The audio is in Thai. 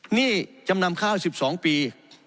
หนี้จำนำข้าว๑๒ปี